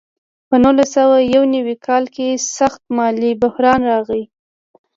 په نولس سوه یو نوي کال کې سخت مالي بحران راغی.